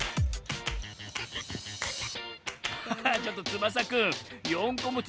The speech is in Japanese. ハハッちょっとつばさくん４こもち